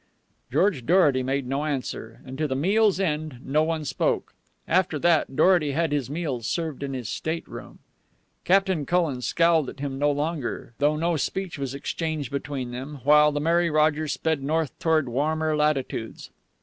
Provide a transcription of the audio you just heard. George Dorety made no answer, and to the meal's end no one spoke. After that, Dorety had his meals served in his stateroom. Captain Cullen scowled at him no longer, though no speech was exchanged between them, while the Mary Rogers sped north toward warmer latitudes.